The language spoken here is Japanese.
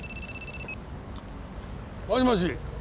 もしもし。